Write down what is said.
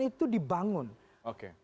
itu dibangun oke